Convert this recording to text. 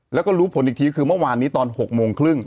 แล้วก็รู้ผลอีกทีคือเมื่อวานนี้ตอน๖โมงครึ่ง